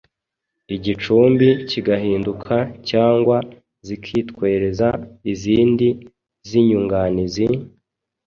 igicumbi kigahinduka cyangwa zikitwereza izindi z’inyunganizi,